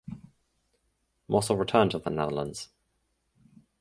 Mossel returned to the Netherlands.